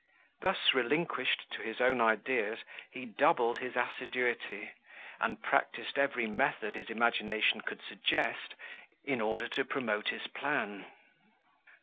Thus relinquished to his own ideas, he doubled his assiduity, and practised every method his imagination could suggest, in order to promote his plan.